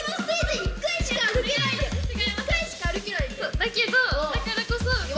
だけどだからこそ。